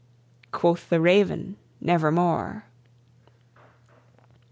Quoth the Raven, "Nevermore."